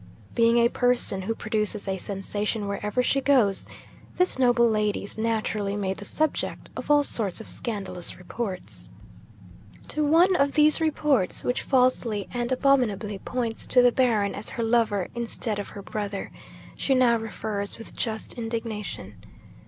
Being a person who produces a sensation wherever she goes, this noble lady is naturally made the subject of all sorts of scandalous reports. To one of these reports (which falsely and abominably points to the Baron as her lover instead of her brother) she now refers with just indignation.